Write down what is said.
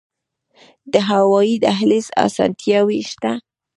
د هوایی دهلیز اسانتیاوې شته؟